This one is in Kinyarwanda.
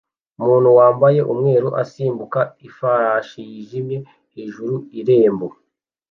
Umuntu wambaye umweru asimbuka ifarashi yijimye hejuru y irembo